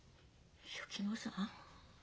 薫乃さん。